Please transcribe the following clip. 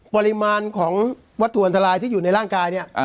ปริมาณของวัตถุอันตรายที่อยู่ในร่างกายเนี่ย